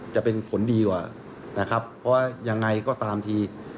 จะเป็นผลดีกว่านะครับเพราะว่ายังไงก็ตามที